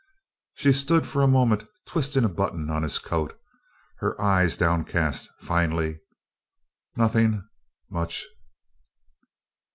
She stood for a moment twisting a button on his coat her eyes downcast. Finally: "Nothing much."